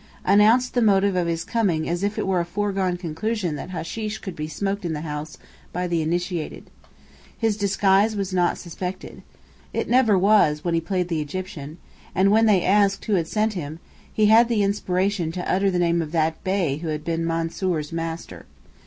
Announced the motive of his coming as if it were a foregone conclusion that hasheesh could be smoked in that house by the initiated. His disguise was not suspected. It never was, when he played the Egyptian; and when asked who had sent him, he had the inspiration to utter the name of that Bey who had been Mansoor's master.